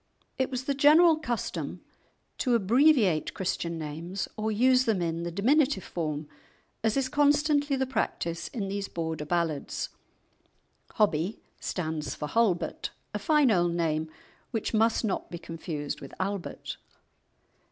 It was the general custom to abbreviate Christian names or use them in the diminutive form, as is constantly the practice in these Border ballads. "Hobbie" stands for "Halbert," a fine old name which must not be confused with "Albert."